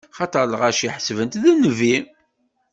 Axaṭer lɣaci ḥesben-t d nnbi.